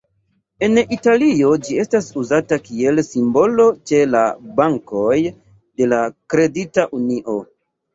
En Italio ĝi estas uzata kiel simbolo ĉe la bankoj de la Kredita Unio.